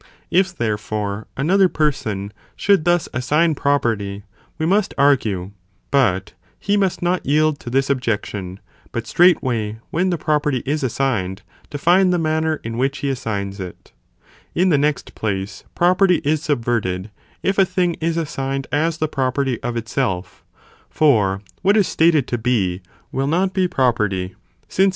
If, therefore, another person should thus assign property, we must argue, but he must not yield to this objection, but straightway, when the property is assigned, define the manner in which he assigns it. In the next place, property is subverted if a ieclf heae ® thing is assigned as the property of itself, for signed asits what is stated to be, will not be property, since own property. °°» e .: Σ (Cf. ΗΠ Lo.